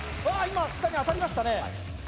今下に当たりましたね